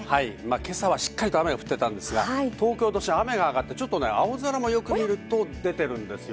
今朝はしっかりと雨が降っていたんですが、東京都心雨があがって、青空もよく見ると出ているんです。